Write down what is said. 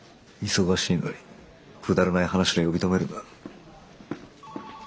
忙しいのにくだらない話で呼び止めるな。